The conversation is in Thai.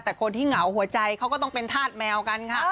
แต่คนที่เหงาหัวใจเขาก็ต้องเป็นธาตุแมวกันค่ะ